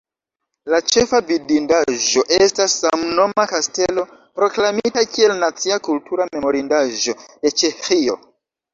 La ĉefa vidindaĵo estas samnoma kastelo, proklamita kiel Nacia kultura memorindaĵo de Ĉeĥio.